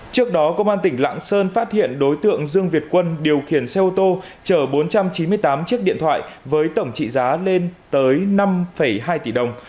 trước đó công an tỉnh lạng sơn phát hiện đối tượng dương việt quân điều khiển xe ô tô chở bốn trăm chín mươi tám chiếc điện thoại với tổng trị giá lên tới năm hai tỷ đồng